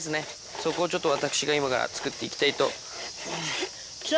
そこをちょっと、私が今から作っていきたいと。きた！